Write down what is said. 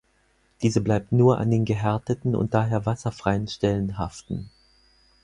Diese bleibt nur an den gehärteten und daher wasserfreien Stellen haften.